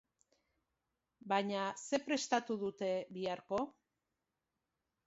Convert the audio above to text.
Baina zer prestatu dute biharko?